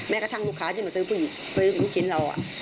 แม้กระทั่งลูกขาที่มาซื้อผู้หญิงเราอ่ะ